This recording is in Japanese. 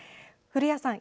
古谷さん